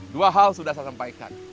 dua hal sudah saya sampaikan